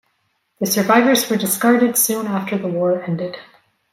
The survivors were discarded soon after the war ended.